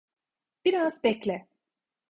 Biraz bekle.